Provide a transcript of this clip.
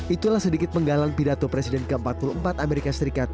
itulah sedikit penggalan pidato presiden ke empat puluh empat amerika serikat